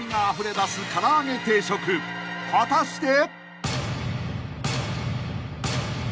［果たして］